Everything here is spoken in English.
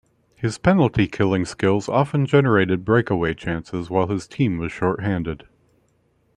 His penalty-killing skills often generated breakaway chances while his team was shorthanded.